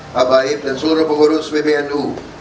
pabaib dan seluruh pengurus bpnu